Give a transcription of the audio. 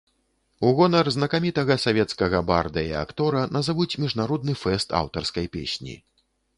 У гонар знакамітага савецкага барда і актора назавуць міжнародны фэст аўтарскай песні.